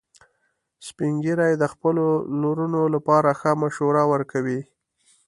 سپین ږیری د خپلو لورونو لپاره ښه مشوره ورکوي